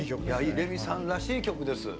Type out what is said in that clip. レミさんらしい曲です。